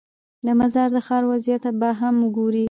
د مزار د ښار وضعیت به هم وګورې.